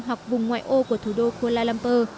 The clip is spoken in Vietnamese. hoặc vùng ngoại ô của thủ đô kuala lumpur